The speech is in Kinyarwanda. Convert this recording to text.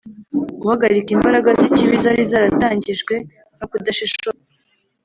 guhagarika imbaraga z'ikibi zari zaratangijwe no kudashishoza kwe